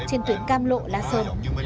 trên tuyến cam lộ la sơn